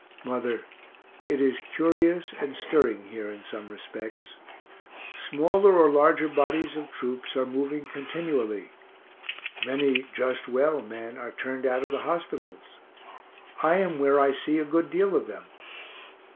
Mother, it is curious and stirring here in some respects. Smaller or larger bodies of troops are moving continually many just well men are turned out of the hospitals. I am where I see a good deal of them.